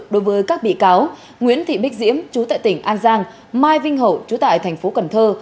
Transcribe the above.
đối với các bị cáo nguyễn thị bích diễm chú tại tỉnh an giang mai vinh hậu chú tại thành phố cần thơ